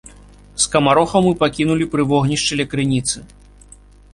Скамарохаў мы пакінулі пры вогнішчы ля крыніцы.